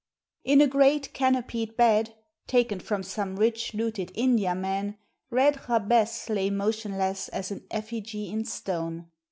In a great canopied bed, taken from some rich looted Indiaman, Red Jabez lay motionless as an effigy in stone.